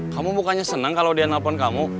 kamu bukannya senang kalau dia nelfon kamu